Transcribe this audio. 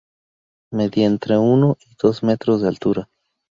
Medía entre uno y dos metros de altura.